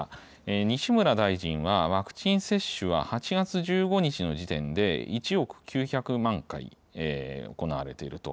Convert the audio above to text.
西村大臣は、ワクチン接種は８月１５日の時点で１億９００万回行われていると。